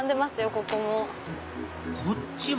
ここも。こっちも？